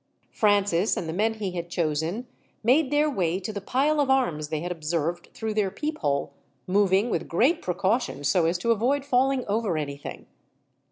Francis, and the men he had chosen, made their way to the pile of arms they had observed through their peephole, moving with great precaution, so as to avoid falling over anything.